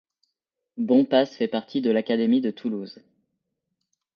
Bompas fait partie de l'académie de Toulouse.